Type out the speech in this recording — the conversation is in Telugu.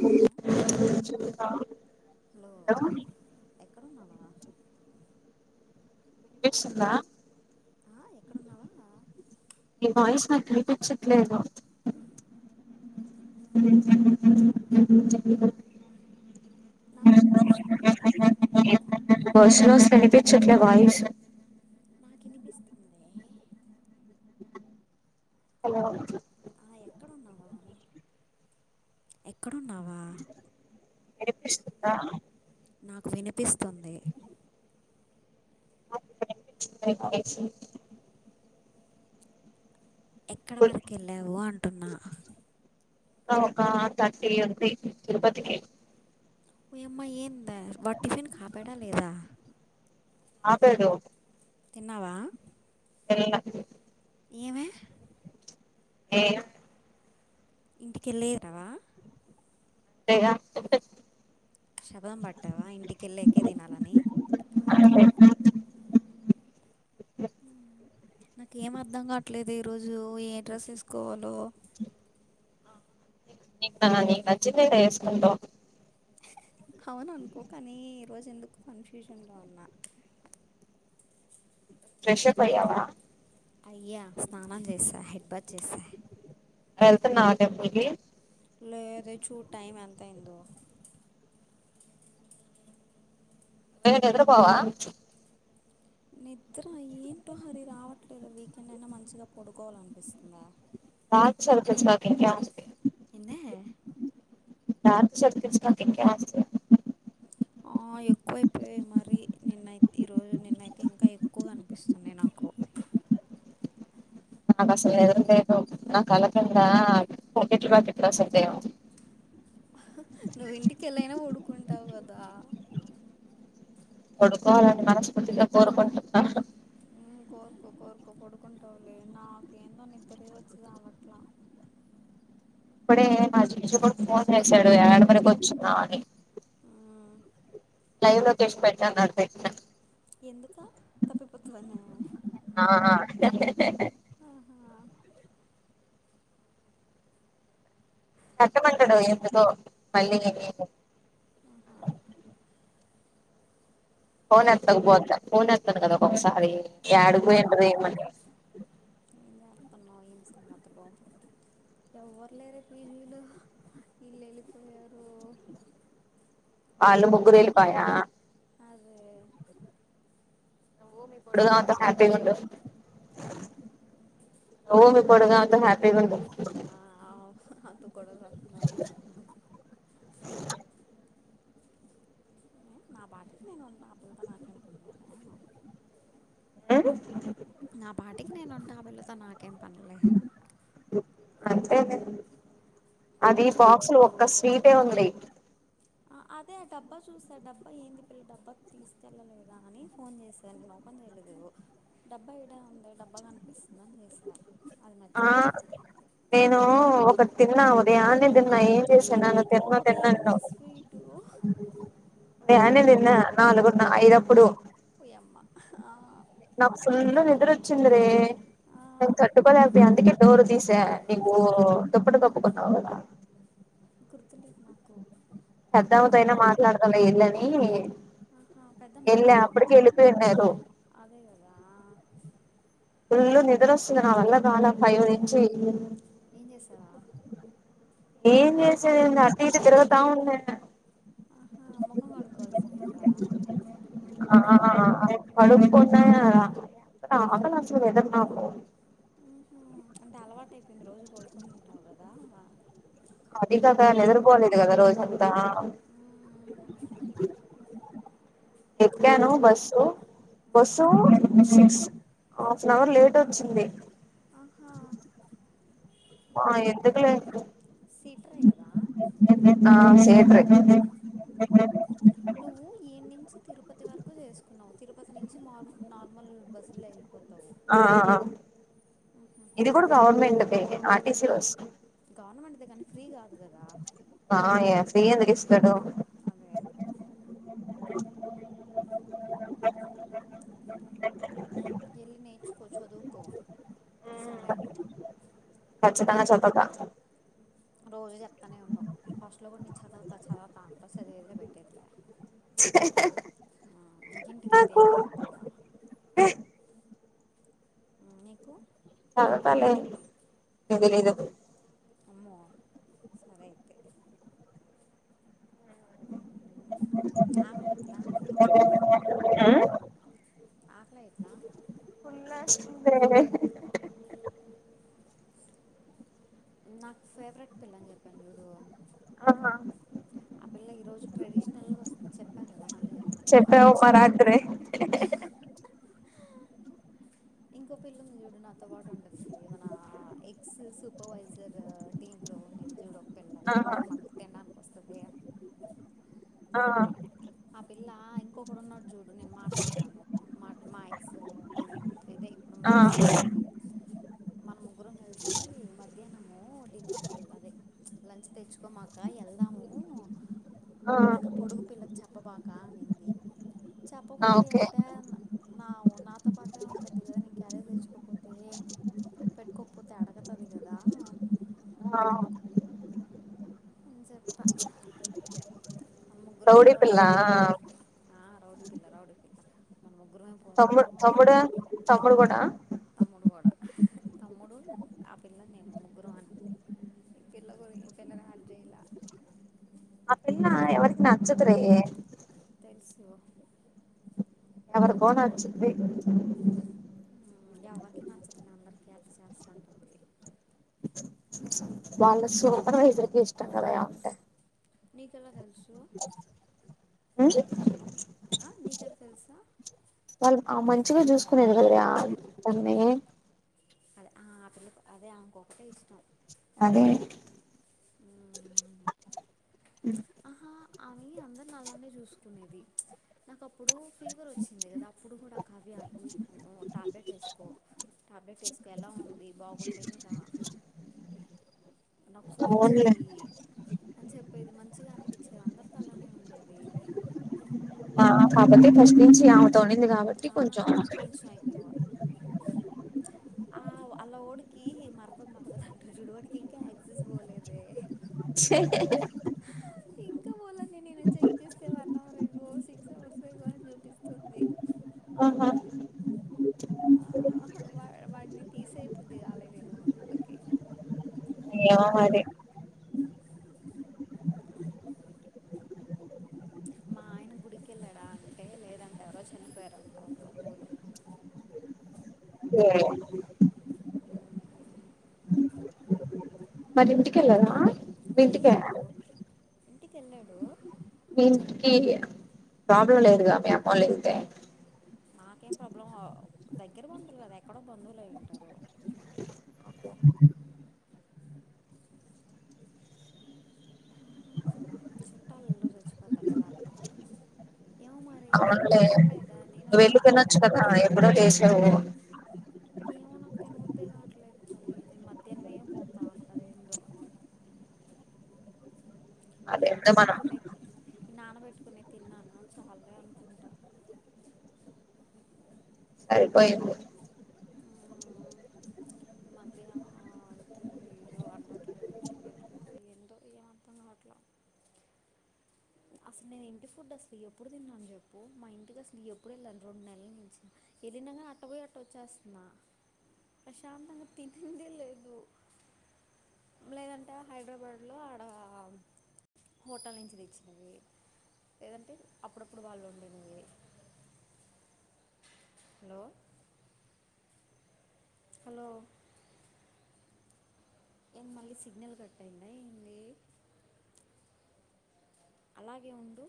హలో ఆ హలో ఎక్కడున్నావ్ వినిపిస్తుందా ఆ ఎక్కడున్నావా విన్పించట్లేదు [inaudible] ఉ నాకు వినిపిస్తుందే. ఫాస్ట్ రోజ్ వినిపిచ్చట్లే వాయిస్ నాకినిపిస్తుందే. హలో ఆ ఎక్కడున్నావా, ఎక్కడున్నావా వినిపిస్తుందా నాకు వినిపిస్తుంది. నాక్ ఇప్పుడు [unintelligible] వాయిస్ ఎక్కడ వరకు వెళ్లావు. అంటున్న ఆ ఒక్క థర్టీ ఉంతే తిరుపతికి ఓయమ్మా ఏంద వాడ్ టిఫెన్ కాపడలేదా ఆతేదు తిన్నావా తిన్ లా ఏమే ఏమ్ ఇంటికెళ్ళెద్ రావా టేగా శబదం పట్టావా, ఇంటికెళ్లేకె తినాలని [unintelligible] హ్మ్ ప్చ్ నాకేం అర్ధం కావట్లేద్ ఈరోజు ఏ డ్రెస్ వేసుకోవాలి. నీక్ ఆ నీకు నచ్చిందే నే వేసుకుంటాం. హవును అనుకో కాన్నిర్ రోజు ఎందుకు కన్ఫ్యూజన్లో ఉన్న ప్చ్ ఫ్రెష్ అప్ అయ్యావా అయ్యా స్నానం చేసా, హెడ్బత్ చేసా హెళ్తున్నావా టెంపుల్ కి లేదే చూడ్ టైమ్ ఎంతయిందో ఏంటే ఎదురు పోవా ప్చ్ నిద్ర ఏంటో హరి రావట్లేదు. వీకెండ్ అయినా మంచిగా పడుకోవాలనిపిస్తుందా బాగ్ చదువుకోవచ్చు. కదా ఎగ్జామ్స్ కి ఏందె మార్చ్ సెకండ్స్ మాకు ఎగ్గామ్స్ ఆ ఎక్కువైపోయాయి. మరి నిన్నై ఈరోజు నిన్నైతే, ఇంకా ఎక్కువగా అనిపిస్తున్నాయి. నాకు నాకు అసలు [unintelligible] నా కళ్ళ కిందా పకెట్లు, పకెట్లు అసలు దేవు నువ్వు ఇంటికి వెళ్ళైనా పడుకుంటావు కదా కొడుకోవాలని, మనస్ఫూతిగా కోరుకుంటున్నాను. హ్ హ్మ్ కోరుకో, కోరుకో పడుకుంటావులే, నాకేందో నిద్దరే వచ్చి అవట్లా ఇప్పుడే మా చిన్నిస్ కొడుకు ఫోన్ చేసాడు. యాడపరకు వచ్చినా అని ఆ లైవ్ లొకేషన్ పెట్టన్నాడు. పెట్నాం ఎందుక తప్పిపోతుందన్న స ఆహ కట్టమండడు ఎందుకో మళ్ళీ ఆహ ఫోన్ ఎత్తకపోతే ఫోన్ ఎతను కదా ఒకసారి యాడికి పోయిండ్రు ఏమం న్నా ఎం సంగతలు ఎవరు లేరే పీజిలో వీళ్ళు వెళ్ళిపోయారు వాళ్ళు ముగ్గురేలు వెళ్లి పాయా అరే నువ్వు ని [unintelligible] అంత హ్యాపీ ఉండు ఆ ఓ మీ కొడుకు హ్యాపీ ఉండు ఆ, [inaudible] నా పాటికి నేను ఉంటా ఆ పిల్లతో నాకేం పనిగాద నా పాటికి నేను ఉంటే ఆ పిల్లతో నాకేం పనిలే అంతే అది బాక్స్ లో ఒక్క స్వీట్ ఏ ఉంది అదే ఆ డబ్బా చూస్తా డబ్బా ఏంది పిల్ల డబ్బా తీసుకెళ్ళలేదా అని ఫోన్ చేశా నేను ఓపెన్ చేయలేదుదో డబ్బా ఏడ ఉంది డబ్బా కనిపిస్తుందని చేశా అది ఆ మర్చిపోయా నేను తిన్నా ఉదయాన్నే తిన్న నా ఏం చేస్తాననో ఎందుకే తిన్న తిన్నననో ఉదయాన్నే స్వీటు నేను అన్ని తిన్న నాలుగు న్న ఐదప్పుడు ఓయమ్మ వచ్చింది రే ఆ, నేను తట్టు [unintelligible] అందుకే డోర్ తీశా నివు దుప్పట కప్పుకున్నావు గుర్తుంటట్ నాకు పెద్దమ్మతో అయినా మాట్లాడుతా వేళ్ళు అని పెద్దమ్మ మైల్కనిందా వెళ్ళిపోయిన్నారు అదే కదా ఫుల్ నిద్రొస్తుంది నా వల్ల కాలే ఫైవ్ నుంచి ఎం చేసానవ్ ఏం చేసేది అట్ట ఇట తిరుగుతా ఉన్న ఆహా ముఖం కడుక్కోవాల్సింది కదా హ పడుకున్న [inaudible] హ్మ్ హు అంటే అలవాటు అయిపోయింది రోజు కొడుకునింటావు కదా అది కాక నిదుపోలేదు కదా రోజంతా ఉమ్, ఎక్కాను bus bus half an hour late వచ్చింది ఆహా ఆ ఎందుకులే సిీట్రే కదా థియేట్రే ఆహా నువ్వు ఈయ నుంచి తిరుపతి వరకు చేసుకున్నావు తిరుపతి నుంచి నార్ నార్మల్ బస్సులు వెి ఆ ఆ ఇది కూడా గవర్మెంట్ ఆర్టీసి బస్ గవర్నమెంట్ దే కానీ ఫ్రీ కాదు కదా ఆయ ఫ్రీ ఎందుకు ఇస్తాడు అదే వెళ్ళి నేర్చుకో చదువుకో ఈసారైనా ఖచ్చతంగా చదువుత రోజు చెప్తనే ఉండవు హాస్టల్లో గు నుంచి చదువుతా చదవుతా అంతా చదివదిలే పెట్టేదిలే ఆ, ఇంటికి వెళ్తే ఏం చదువుతావా ఆ నీకు చదువుతలే ఇదిలి ఇది పో అమ్మో సరే అయితే ఆకలి ఎట్లా ఆ ఆ ఆకలి ఎట్లా ఫ నాకు ఫేవరెట్ పిల్ల అని చెప్పండి ూడుో ఆహా ఆ పిల్ల ఈరోజు ట్రెడిషనల్గా వ చెప్పా కదా మళ్ళీ చెప్తున్నా చెప్పావు మా రాత్రి ఇంకో పిల్లని చూడు నాతో పాాటు ఉంటది మన ఎక్స్ సూపర్వైజర్ టీమ్ లో ని చూడ పిల్ల ఆ ఇప్పుడు కూడా మనతో తినడాకిని వస్తది ఏే ఆ ఆ పిల్ల ఇంకొకడు ఉన్నాడు చూడు నేను మాట్లాడుతాను మా మా ఎక్స్ టీమ్ేట్ ఇదే ఇప్పుడు ఆ సేమ్ టీమేలే మనము ముగ్గురం కలిసి మధ్యాహ్నం ము డిన్నర్కి వెళ్దది లంచ్ తెచ్చుకోమాక వెళ్దాము మీ పొడుగు పిల్లకి చెప్పం బాకా అనింది ఆ చెప్పకుండా ఓకే ఎట్టే నా నా అతో పాటే ఉంటుంది కదా నేను క్యారేజ్ తెచ్చుకోకపోతే పెట్టుకోకపోతే అడగుతుంది కదా ఆ చెప్ప దౌడిపిలా ఆ రౌడి పిల్ల రౌడి పిల్ల మనగ తమ్ము తమ్ముడా తమ్ముడు కూడాడా తమ్ముడు కూడా తమ్ముడు ఆ పిల్ల నేను ముగ్గురు అనింది ఈ పిల్ల గురి ఈ పిల్లగా క్రేలా అ పిలా ఎవరికి నా అచ్చద్రే తెలుసుకో ఎవర కోణ వచ్చ ఎవరికిీ నచ్చతుంది అందరికీ హర్పి చేస్తుంటుంది బాళ సూపర్ ఇకి ఇష్ట కదా అంటే నీకెలా తెలుసు ఆ ఆ నీక తెలుసా వాళ్ళు మంచిగా చూసుకునేది కదా ఆ ద దన్ని అదే ఆ ఆ పిల్ల అదే ఆంకొకటే ఇష్టం అదే ఆహా అవి అందరునీ అల్లానే చూసుకునేది నాకు అప్పుడు ఫీవర్ వచ్చింది కదా అప్పుడు కూడా కవి్య ఈ టాబ్లెట్ వేసుకో టాబ్లెట్ వేసుకో ఎలా ఉంది బాగుంటేనే రా అవునులే ఫోన్స్య్యి అని చెప్పేది మంచిగా అనిపించేది అందరితో అలానే ఉండేది ఏమి కాబపోతే ఫస్ట్ నుంచి తోనింది కాబట్టి ఆ! కొంచం ఆ! కొంచెం ఎక్కువ. ఆ అలా డికి మరదదు మరదదు అంటారు చుడవాడికి ఇంకా యాక్సెస్ పోలేదే చె ఇంకా పోలది నేను చెక్ చేస్తే వన్ అవర్ వేగో సిక్స్ అవర్స్ వేగో అని చూపిస్తుంది ఆహా ఆ వా వాడిని తీసేయిపోద్దు ఆలయదను మన వాళ్ళకి ్య అదే ఆ మా ఆయన గుడికిెళ్ళాడా అంటే లేదంటే ఎవరో చనిపోయారుంత వాళ్ళు బంధువులు స మరి ఇంటికిెల్దా వింతకా ఇంటిక వెళ్ళాడు దనికి ప్రాబ్లం లేదుగా మీ అమౌన్లయితే నాకేం ప్రాబ్లం దగ్గర బంధువులు కదా ఎక్కడో బంధువులు అ ఉంటారు చుట్టాలులో చచ్చిపోతారు కదా అట్ట ఏమ మరి అవు నేను అడగలేదా నేను నువ్వు అదే వెళ్ళి తినొచ్చు అనుకున్నా కదా ఎప్పుడో చేసావు ఏమో నాకు తినగుద్ద్దే కావట్లేదు తల్లి నేను మధ్యాహ్నమే పోతా ఉంటద ఏందో ఈ అదెంత మనం నానబెట్టుకునే ఈ నానబెట్టుకునే తిన్నాన్న చాలే అనుకుంటా అరిపోయి మ్మ్. ఈ మధ్యనంంటి వండట్లేదు చెయ్యట్లేదు ఎంతోో ఏ అంతంగా అట్లా అసలు నేను ఇంటి ఫుడ్ అసలు ఎప్పుడు తిన్నాను చెప్పు మా ఇంటికి అసలు ఎప్పుడు వెళ్ళాను రెండు నెలలు నుంచిిన ఏదనాగా అట్ట పోయి అట్ట వచ్చేస్తున్నా ప్రశాంతంగా తినిందిే లేదు లేదంటే హైదరాబాద్లో ఆడ హోటల్ నుంచి తెచ్చిను వి లేదంటే అప్పుడప్పుడు వాళ్ళు ఉండేనవి హలో హలో ఏం మళ్ళీ సిగ్నల్ కట్టయింద ఏంది అలాగే ఉండు